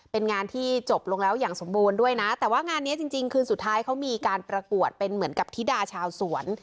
เป็นงานที่จบลงแล้วอย่างสมบูรณ์ด้วยนะแต่ว่างานเนี้ยจริงจริงคืนสุดท้ายเขามีการประกวดเป็นเหมือนกับธิดาชาวสวน